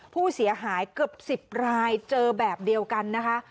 ผู้เสียหายเกือบ๑๐รายเจอแบบเดียวกันนะคะ